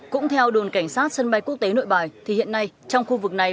cũng theo đồn cảnh sát sân bay quốc tế nội bài thì hiện nay trong khu vực này